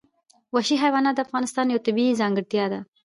وحشي حیوانات د افغانستان یوه طبیعي ځانګړتیا ده.